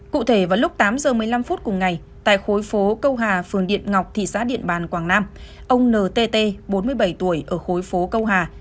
cụ thể vào lúc tám giờ một mươi năm phút cùng ngày tại khối phố câu hà phường điện ngọc thị xã điện bàn quảng nam ông ntt bốn mươi bảy tuổi ở khối phố câu hà